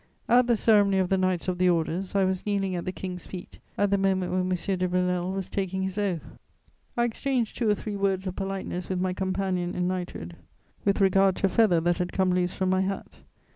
At the ceremony of the knights of the Orders, I was kneeling at the King's feet at the moment when M. de Villèle was taking his oath. I exchanged two or three words of politeness with my companion in knighthood, with regard to a feather that had come loose from my hat.